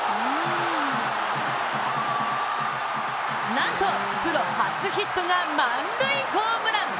なんとプロ初ヒットが満塁ホームラン。